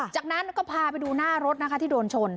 จากนั้นก็พาไปดูหน้ารถนะคะที่โดนชน